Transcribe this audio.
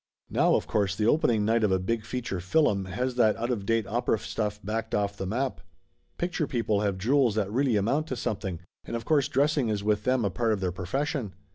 Now of course the opening night of a big feature fillum has that out of date opera stuff backed off the map. Picture people have jewels that really amount to something, and of course dressing is Laughter Limited 217 with them a part of their profession.